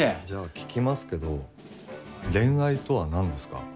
じゃあ聞きますけど恋愛とは何ですか？